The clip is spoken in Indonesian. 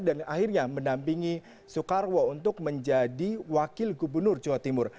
dan akhirnya menampingi soekarwo untuk menjadi wakil gubernur jawa timur